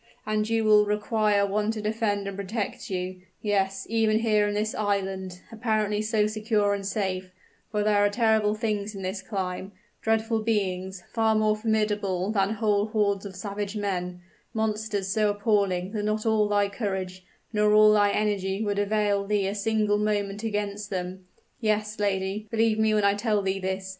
And you will require one to defend and protect you yes, even here in this island, apparently so secure and safe; for there are terrible things in this clime dreadful beings, far more formidable than whole hordes of savage men monsters so appalling that not all thy courage, nor all thy energy would avail thee a single moment against them. Yes, lady, believe me when I tell thee this!